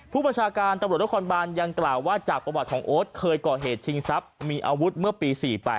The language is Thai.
ผู้บัญชาการตำรวจนครบานยังกล่าวว่าจากประวัติของโอ๊ตเคยก่อเหตุชิงทรัพย์มีอาวุธเมื่อปี๔๘